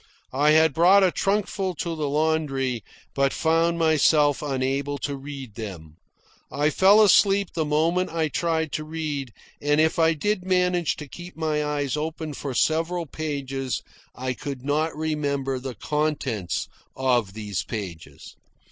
I had brought a trunkful to the laundry, but found myself unable to read them. I fell asleep the moment I tried to read; and if I did manage to keep my eyes open for several pages, I could not remember the contents of those pages.